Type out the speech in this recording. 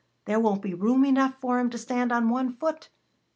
There won't be room enough for 'em to stand on one foot."